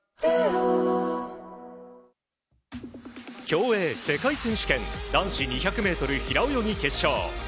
競泳世界選手権男子２００ｍ平泳ぎ決勝。